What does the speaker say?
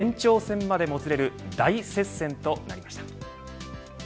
延長戦までもつれる大接戦となりました。